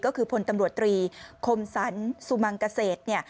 ก็คือพลตำรวจตรีคมสรรสุมังเกษตรเนี่ย